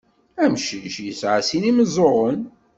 Amcic yesɛa sin imeẓẓuɣen.